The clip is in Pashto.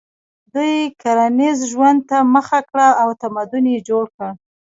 دوی کرنیز ژوند ته مخه کړه او تمدن یې جوړ کړ.